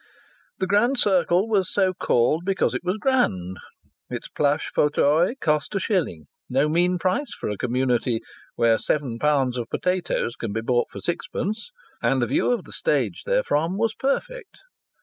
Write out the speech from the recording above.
The Grand Circle was so called because it was grand. Its plush fauteuils cost a shilling, no mean price for a community where seven pounds of potatoes can be bought for sixpence, and the view of the stage therefrom was perfect.